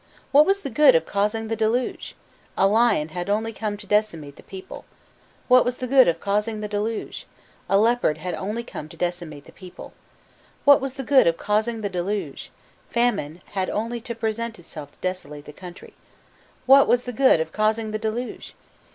What was the good of causing the deluge? A lion had only to come to decimate the people. What was the good of causing the deluge? A leopard had only to come to decimate the people. What was the good of causing the deluge? Famine had only to present itself to desolate the country. What was the good of causing the deluge?